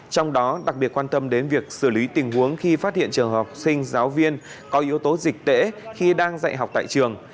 trong đó đặc biệt quan tâm đến việc xử lý tình huống khi phát hiện trường học sinh giáo viên có yếu tố dịch tễ khi đang dạy học tại trường